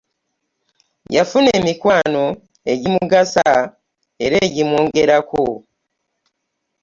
Yafuna emikwano ejimugasa era egimwongerako .